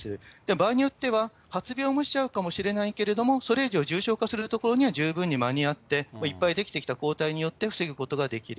場合によっては、発病もうしちゃうかもしれないけど、それ以上、重症化するところには十分に間に合って、いっぱい出来てきた抗体によって防ぐことができる。